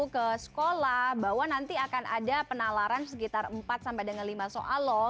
ke sekolah bahwa nanti akan ada penalaran sekitar empat sampai dengan lima soal loh